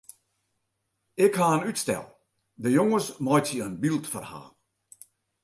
Ik ha in útstel: de jonges meitsje in byldferhaal.